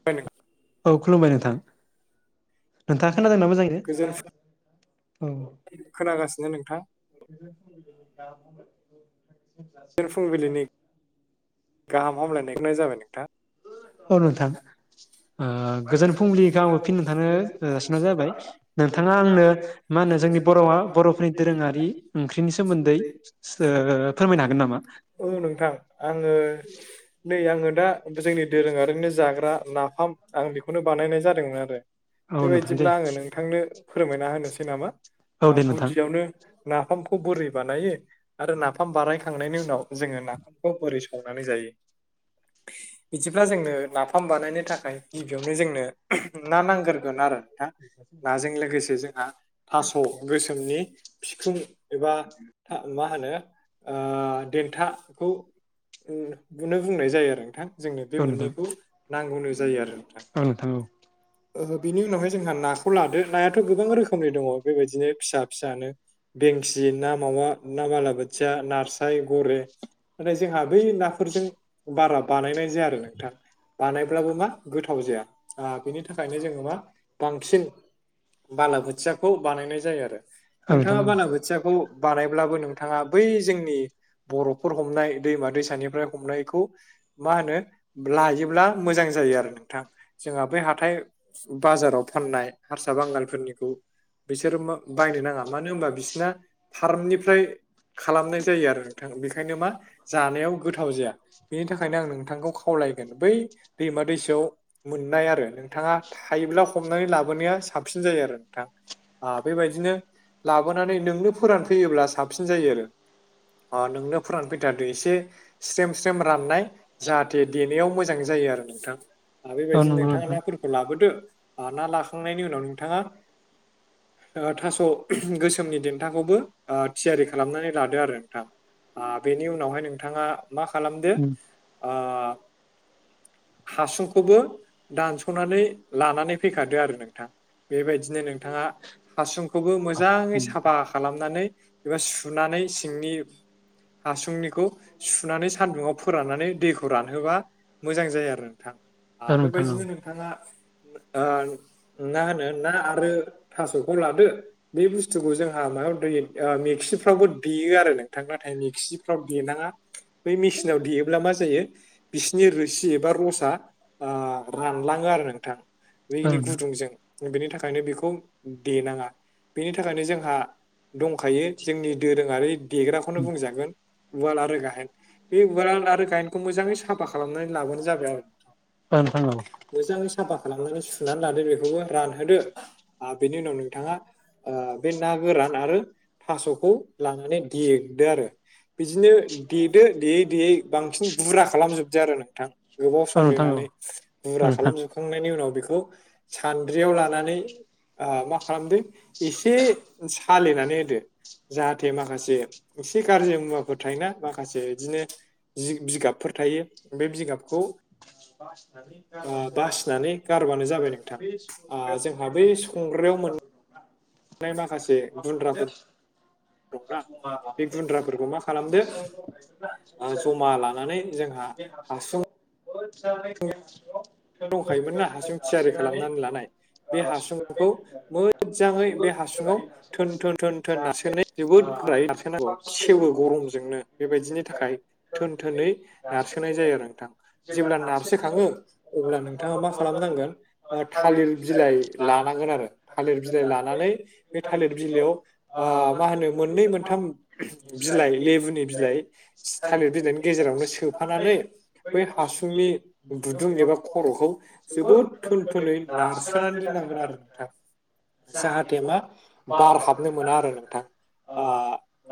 [inaudible] औ खुलुमबाय नोंथां नोंथाङा खोनादों ना गोजोन मोजाङैनो औ खोनागासिनो नोंथां [inaudible] गोजोन फुंबिलिनि गाहाम हामलायनायखौ बावहरग्रोनाय जाबाय नोंथां अ नोंथां गोजोन फुंबिलिखौ आंबो फिन नोंथांनो जासिनाय जाबाय नोंथाङा आंनो मा होनो जोंनि बर'आ बर'फोरनि दोरोङारि ओंख्रिनि सोमोन्दै फोरमायनो हागोन नामा औ नोंथां आङो नै आङो दा जोंनि दोरोङारिनिनो जाग्रा नाफाम आं बेखौनो बानायनाय जादोंमोन आरो औ नोंथां दे बेबायदिब्ला आङो नों नोंथांनो फोरमायना होनोसै नामा औ दे नोंथां गुदियावनो नाफामखौ बोरै बानायो आरो नाफाम बानायखांनायनि उनाव जोङो नाफामखौ बोरै संनानै जायो बिदिब्ला जोंनो नाफाम बानायनो थाखाय गिबियावनो जोंनो ना नांग्रगोन आरो नोंथा नाजों लोगोसे जोंहा थास' गोसोमनि बिखुं एबा मा होनो देथाखौनो बुंनाय जायो आरो नोंथां। जोंनो बे औ मोननैखौ नांगौनो जायो आरो आं नंगौ। ओहो बिनि उनावहाय जोंहा नाखौ लादो नायाथ' गोबां रोखोमनि दङ बेबायदिनो फिसा फिसानो। बेंसि ना, मावा ना, बालाबोथिया, नास्राय, गोरै नाथाय जोंहा बै नाफोरजों बारा बानायनाय जाया आरो नोंथां बानायब्लाबो मा गोथाव जाया बिनि थाखायनो जोङो मा बांसिन बालाबोथियाखौ बानायनाय जायो आरो औ नोंथां नोंथाङा औ बालाबोथिया खोथियाखौ बानायब्लाबो नोंथाङा बै जोंनि बर'फोर हमनाय दैमा दैसानिफ्राय हमनायखौ मा होनो लायोब्ला मोजां जायो आरो नथां जोंहा बै हाथाय बाजाराव फाननाय हारसा बांगालफोरनिखौ बिसोरो बायनो नाङा मानो होनबा बिसोरना फार्मनिफ्राय खालामनाय जायो आरो नोंथां बेखायनो मा जानायाव गोथाव जाया। बेनि थाखायनो आं नोंथांखौ खावलायगोन बै दैमा दैसायाव मोननाय आरो नोंथाङा थायोब्ला हमनानै लाबोनाया साबसिन जायो आरो नोंथां। बेबायदिनो लाबोनानै नोंनो फोरानफैयोब्ला साबसिन जायो आरो नोंनो फोरानफैथारदो एसे स्रेम स्रेम राननाय जाहाथे देनायाव मोजां जायो आरो नोंथां। आरो औ बेबायदिनो नंगौ नोंथाङा नोंथां नाफोरखौ लाबोदो ना लाखांनायनि उनाव नोंथाङा थास' गोसोमनि देंथाखौबो थियारि खालामनानै लादो आरो नोंथां। बेनि उनावहाय नोंथाङा मा खालामदो उम हासुंखौ खौबो दानस'नानै लानानै फैखादो आरो नोंथां बेबायदिनो नोंथाङा हासुंखौबो मोजाङै उम साफा खालामनानै एबा सुनानै सिंनि हासुंनिखौ सुनानै सान्दुंङाव फोराननानै दैखौ रानहोब्ला मोजां जाया आरो नोंथां औ नोंथां औ बेबायदिनो नोंथाङा मा होनो ना आरो थास'खौ लादो। बे बुस्थुखौ जोंहा माबायाव दै मेक्सिफ्रावबो देयो आरो नोंथां नाथाय मेक्सिफ्राव देनाङा बै मेचिनाव देयोब्ला मा जायो बिसिनि रोसि एबा रसा रानलाङो आरो नोंथां औ बनि नोंथां गुदुंजों बेनि थाखायनो बेखौ दनाङा बेनि थाखायनो जोंहा दंखायो जोंनि दोरोङारि देग्राखौनो बुंजागोन। उवाल आरो गायेन बे उवाल आरो गायेनखौ मोजाङै साफा खालामनानै लाबानो जाबाय आरो जागोन थां मोजाङै साफा खालामनानै सुनानै लादो बेखौबो रानहोदो बेनि उनाव नोंथाङा बे ना गोरान आरो थास'खौ लानानै देदो आरो बिदिनो देदो देयै देयै बांसिन बुरा खालामजोबदो आरो नोंथां। गोबाव औ सम नोंथां औ लिरनानै औ मुरा नोंथां खालामजोबखांनायनि उनाव बेखौ सानद्रियाव लानानै मा खालामदों एसे सााललिनानै होदो जाहाथे माखासे एसे गाज्रि मुवाफोर थायोना माखासे बिदिनो जि बिजगाबफोर थायो बे बिगाबखौ बासिनानै गारबानो जाबाय नोंथां जोंहा बै संग्रायाव मोन माखासे गुन्द्राफोर दंना जमा बे लानानै गुन्द्राफोरखौ जोंहा मा खालामदो हासल' ओ जमा लानानै जोंहा गायोनारि हासुं लानो होन [unintelligible] दंखायोमोन ना हारसिं थियारि खालामनानै लानाय। बे हासुंखौ मोजाङै बे हासुङाव थोन थोन थोन थोन नासोननाय जोबोद गोरायसोनांगौ सेबो गरमजोंनो बेबायदिनि थाखाय थोन थोनै नारसोनाय जायो आरो नोंथां जेब्ला नारसोखाङो। अब्ला नोंथाङा मा खालामनांगोन थालिर बिलाइ लानांगोन आरो थालिर बिलाइ लानानै। बे थालिर बिलाइयाव आ मा होनो मोननै मोनथाम बिलाइ लेबुनि बिलाइ थालिर बिलाइनि गेजेरावनो सोफानानै बै हासुंनि गुदुं एबा खर'खौ जोबोद थोन थुनै नारसोनानै दोननांगोन आरो नोंथां। जाहाथे मा बार हाबनो मोना आरो नोंथां।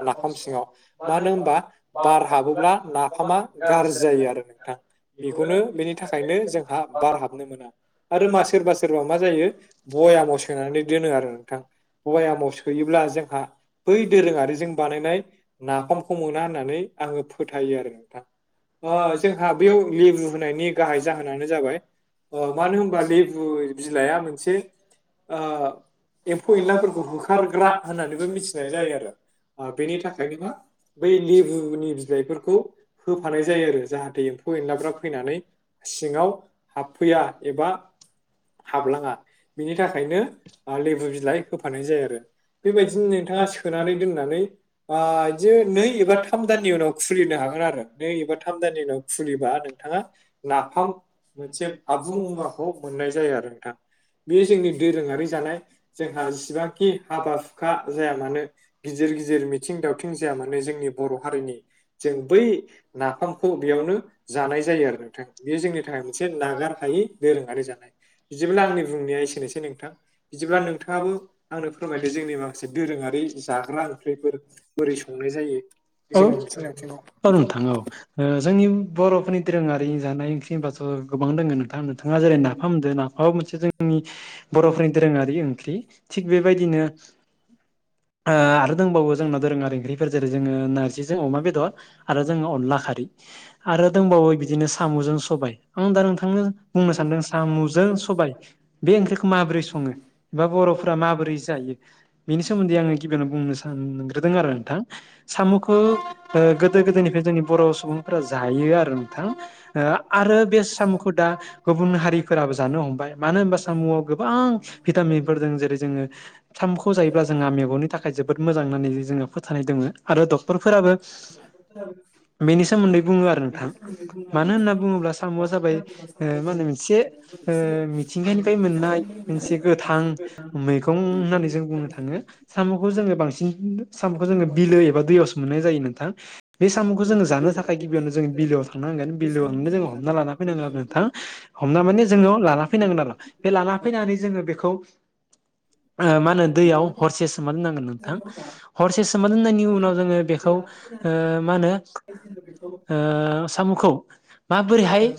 नाफाम सिङाव मानो होनबा बार हाबोब्ला नाफामा। गाज्रि जायो आरो नोंथां बेखौनो बेनि थाखायनो जों बार हाबनो मोना आरो मा सोरबा सोरबा मा जायो भयामाव सोनानै दोनो आरो नोंथां। गवाइामाव सोयोब्ला जोंहा बै दोरोङारिजों बानायनाय नाफामखौ मोना होननानै आङो फोथायो आरो नोंथां जोंहा बेयाव लेबु होनायनि गाहाय जाहोन। जाबाय मानो होनबा लेबु बिलाइआ मोनसे। एम्फौ एनलाफोरखौ होखारग्रा होननानैबो मिथिनाय जायो आरो। बेनि थाखायनोा बै लेबुनि बिलाइफोरखौ होफानाय जायो आरो जाहाथे। फ एनलाब्रा फैनानै सिङाव हाबफैया एबा हाबलाङा बिनि थाखायनो लेबु बिलाइ होफानाय जायो आरो। बेबायदिनो नोंथाङा सोनानै दोननानै बिदि नै एबा थाम दाननि उनाव खुलिनो हागोन आरो। नै एबा थाम दाननि उनाव खुलिबा नोंथाङा नाफाम मोनसे आबुं मुवाखौ मोननाय जायो आरो नोंथां। बे जोंनि दोरोङारि जानाय जोंहा जिेसिबांखि हाबा हुखा जाया मानो। गिदिर गिदिर मिथिं दावथिं जाया माने जोंनि बर' हारिनि जों बै नाफामखौ बेयावनो। जानाय जायो आरो नोंथां। बेयो जोंनि थाखाय मोनसे नागार हायि दोरोङारि जानाय बिदिब्ला आंनि बुंनाया एसेनोसै नोंथां। बिदिब्ला नोंथाङाबो आंनो फोरमायदो जोंनि माखासे दोरोङारि जाग्रा ओंख्रिफोर। बोरै संनाय जायो। औ जोंनि बिथिं आथिङाव औ नोंथां औ जोंनि बर'फोरनि दोरोङारि जानाय ओंख्रि होनबाथ' गोबां दङ नोंथां नोंथाङा जेरै नामदो ना म मोनसे जोंनि बर'फोरनि दोरोङारि ओंख्रि थिग बेबायदिनो आरो दंबावो जोंनाव दोरोङारि ओंख्रिरिफोर जेरै जोङो नारजिजों अमा बेदर। आरो जोङो अनला खारै आरो दंबावो बिदिनो साम'जों सबाय आं दा नोंथांनो बुंनो सानदों साम'जों सबाय बे ओंख्रिखौ माबोरै सङो बा बर'फोरा माबोरै जायो। बेनि सोमोन्दै आङो गिबियावनो बुंनो सानग्रोदों आरो नोंथां साम'खौ गोदो गोदायनिफ्राय जोंनि बर' सुबुंफोरा जायो आरो नोंथां। ओ आरो बे साम'खौ दा गुबुन हारिफोराबो जानो हमबाय मानो होनबा सामुआव गोबां भिटामिनफोर द जेरै जोङो। साथथामखौ जायोब्ला जोंहा मेगननि थाखाय जोबोद मोजां होननानै जोङो फोथायनाय दङ। आरो डक्टरफोराबो बेनि सोमोन्दै बुङो आरो नोंथां। मानो होनना बुङोब्ला साम'आ जाबाय मा होनो मोनसे मिथिंगानिफ्राय मोननाय। मोनसे गोथां मैगं होननानै जों बुंनो थाङो साम'खौ जोङो बांसिन साम'खौ जोङो बिलो एबा दैयावसो मोननाय जायो नोंथां। बे साम'खौ जोङो जानो थाखाय गिबियावनो जोङ बिोआव थांनांगोन बिलोयाव थांनो जों हमना लान फैांगोन आरो नथ हमना माने जोङो लाना फैनांगोन आरो बे लाना फैनानै जोङो बेखौ मा होनो दैयाव हरसे सोमा दोननांगोन नोंथां। हरसे सोमोन होननायनि उनाव जोङो बेखौ मा होनो साम'खौ माबोरैहाय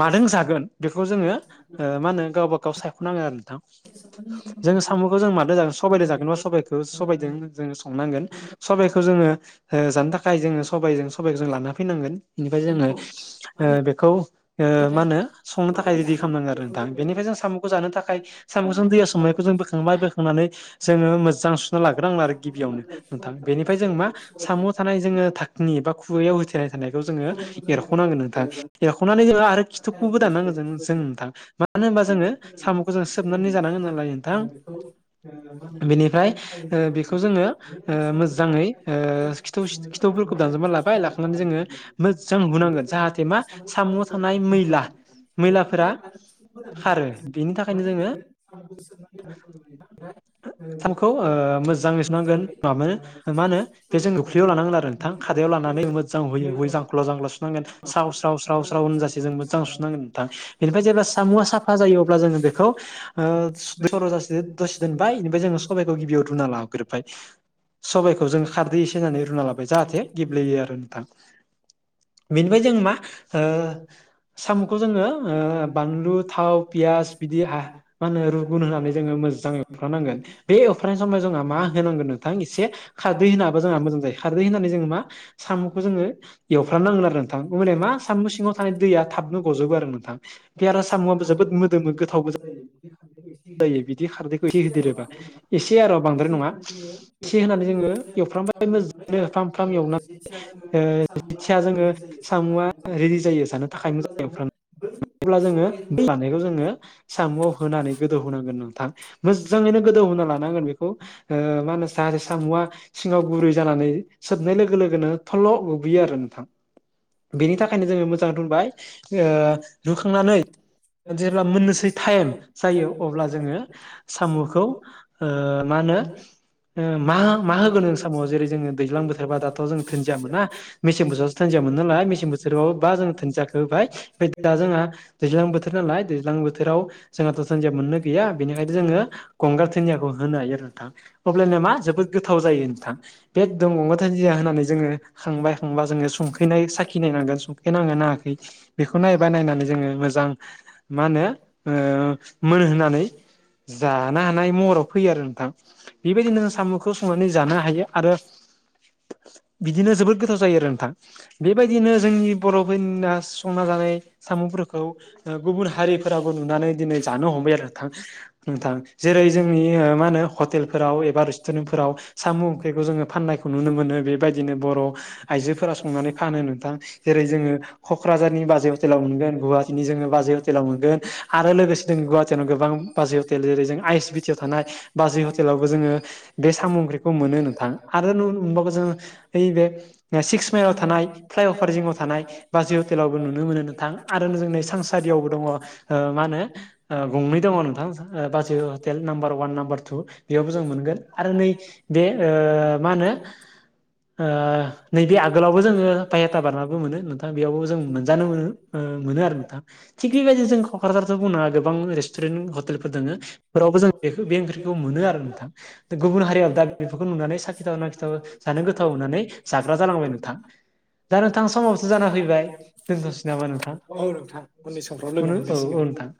मादों जागोन बेखौ जोङो मा होनो गावबा गाव सायख'नाङो आरो नोंथां। जों साम'खौ जों मो जाग सबबायजों जागोनबा सबाइखौ सबबायदों जोङो संनांगोन सबाइखौ जोङो जानो थाखाय जोङो सबजों सबाइखौ जों लाना फैनांगोन ओमफ्राय जोङो बेखौ मा होनो संनो थाखाय रेडि खालामनांगो आरो नोंथां बेनिफ्राय जों साम'खौ जानो थाखाय साम साम दैया संनायखौ जों बोखांबाय बोखांनानै जोङो मोजां सुना लाग्रोनांगोन आरो गिबियावनो नोंथां बेनिफ्राय जों मा साम' थानाय जोङो नि बा खुगायाव होथनाय थानायखौ जोङो एरख'नांगोन नोंथां एरख'नानै जोङो आरो खिथुखौबो दाननांग जों जों नोंथां मानो होनबा जोङो साम'खौ जों सोबनानै जानांगोन नालाय नोंथां [unintelligible] बेनिफ्राय बेखौ जोङो मोजांयै खिथौफोरखौ दानजोबनानै लाबाय लाखांनानै जोङो जों हुनांगोन जाहाथे मा सामुआव थानाय मैला मैलाफोरा खारो बेनि थाखायनो जोङो [unintelligible] द [unintelligible] थानखौ मोजाङै सुनांगोन माबानो मा होनो बे जों लानांगोन आरो नोंथां खादायाव लानानै मोजां हुयै हुयै जांख्रिनानै सख्ल' संख्ल सुनांगोन साव स्राव स्राव स्राव होनजासे जों मोजां सुनांगोन नोंथां बेनिफ्राय जेब्ला सामुआ साफा जायो अब्ला जोङो बेखौ सर'जासे दसे दोनबाय बेनिफ्राय जोङो सबाइखौ गिबियाव रुना ला गोरोबबाय सबायाइखौ जों खारदै एसे होननानै रुना लाबाय जाहाथे गेब्लेयो आरो नोंथां बेनिफ्राय जों मा साम'खौ जोङो बानलु थाव पियास बिदि मा होनो रुगुन होनानै जोङो मोजाङै एुखानांगोन बे एवफारनायनि समाव जोंहा मा होनांगोन नोंथां एसे खारदै होनाबा जोंहा मोजां जायो खारदै होननानै जोंङो मा साम'खौ जोङो एवफ्रामनांगोन आरो नोंथां होमबानिया मा साम सिंङाव थानाय दैया गजोबो आरोना नोंथां साम'आबो जोबोद मोदोमो गोथावबो जायो बिदि खारदैखौ एसे होदेरोबा [unintelligible] एसे आरो बांद्राय नङा एसे होनानै जोङो एवफ्रामबाय मोजां फ्राम फ्राम एवनानै ओ रेडि जायो [unintelligible] जानो थाखाय अब्ला मोजां जोङो एवफ्रामनानै बै अब्ला जोङो जानायखौ जोङो साम'आव होनानै गोदौ होनांगोन नोंथां मोजाङैनो गोदौ होनना लानांगोन बेखौ मानासाहारि सामुआ सिङाव गुरै जानानै सोबनाय लोगो लोगोनो थल' रुयो आरो नोंथां बेनि थाखायनो जोङो मोजां रुबाय रुखांनानै जेब्ला मोननोसै टाइम जायो अब्ला जोङो साम'खौ मा होनो आंङो मा मा होगोन नों समाव जेरै जोङो दैज्लां बोथोरबा दाथ' जों दोनजिया मोना मेसें बोथोरावसो थुनजिय मोन नालाय मेसें बोथोराव बा जोंोधनजयाखौ होबाय ओमफ्राय दा जोंहा दैज्लां बोथोर नालाय दैज्लां बोथोराव जोंहाथ' सानजिया मोननो गैया बेनिखायनो जोङो गंगार थुनियाखौ होनो हायो नोंथां अब्लानो मा जोबोद गोथाव जायो नोंथां बे दं गंग थाइजिया होननानै जोङो खांबाय बा ज सैनाय साखनायनांगोन संफनांगोन नाङाखै बेखौ नायबा नायनानै जोंङो मोजां मोजां मा होनो मोनहोनानै जानो हानाय महराव फैयो आरो नोंथां बेबायदिनो साम'खौ संनानै जानो हाथों आरो बिदिनो जोबोद गोथाव जायो आरो नोंथां बेबायदिनो जोंनि बर'फोरनि ना संना जानाय सामुंफोरखौ गुबुन हारिफोराबो नुनानै दिनै जानो हमबाय आरो नोंथां जेरै जोंनि मा होनो हटेलफोराव एबा रेस्टुरेन्टफोराव साम' ओंख्रिखौ जोङो फान्नायखौ नुनो मोनो बेबायदिनो बर' आइजोफोरा संनानै फानो नोंथां जेरै जोङो क'क्राझारनि बाजै हटेलाव मोनगोन गुवाहाटीनि जोङो बाजै हटेलाव मोनगोन आरो लोगोसे जों गुवाहाटियावनो गोबां बाजै हटेल जेरै जों आइस बिटियाव थानाय बाजै हटेलावबो जोङो बे साम' ओंख्रिखौ मोनो नोंथां आरो नु मोनबावगोन जोङो ओइबे सिक्स माइलाव थानाय फ्लाइअभार जिङाव थानाय बाजै हटेलावबो नुनो मोनो नोंथां आरो जोंनि सानसारियावबो दङ ओ मा होनो ओ गंनै दङ नोंथां बाजै hotel number one number two बेयावबो जों मोनगोन आरो नै बे ओ मा होनो ओ नैबे आगोलावबो जोङो बायहाथा बारनाबो मोनो नोंथा बेयावबो जों मोनजानो मोनो मोनो आरो नोंथां थिग बेबायदिनो जों क'क्राझाराव' बुंनोङा गोबां रेस्टुरेन हटेलफोर दङो बेफोरावबो जों बे बे ओंख्रिखौ मोनो आरो नोंथां दा गुबुन हारियाव दा बेफोरखौ नुनानै साखिथाव नाखिथाव जानो गोथाव होननानै जाग्रा जालांबाय नोंथां दा नोंथां समावसो जाना फैबाय दोनथ'सै नामा नोंथां औ नोंथां उननि समफ्राव लोगो औ मोनलायसिगोन नोंथां